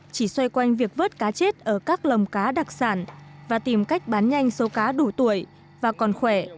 chỉ xoay quanh việc vớt cá chết ở các lồng cá đặc sản và tìm cách bán nhanh số cá đủ tuổi và còn khỏe